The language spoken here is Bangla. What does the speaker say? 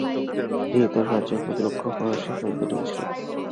তিনি তার রাজ্যের প্রতিরক্ষা করার সিদ্ধান্ত নিয়েছিলেন।